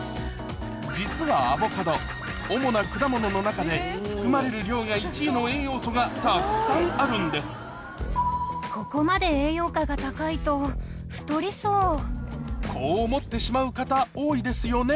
実はアボカド主な果物の中で含まれる量が１位の栄養素がたくさんあるんですこう思ってしまう方多いですよね